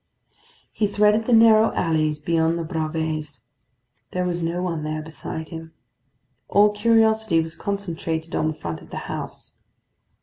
He threaded the narrow alleys behind the Bravées. There was no one there beside him. All curiosity was concentrated on the front of the house.